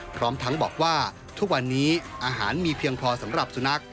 พร้อมทั้งบอกว่าทุกวันนี้อาหารมีเพียงพอสำหรับสุนัข